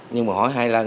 nhưng mà hỏi hai lần